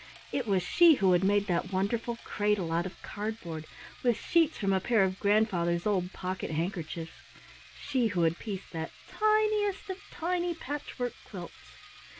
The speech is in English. It was she who had made that wonderful cradle out of cardboard, with sheets from a pair of grandfather's old pocket handkerchiefs, she who had pieced that tiniest of tiny patchwork quilts!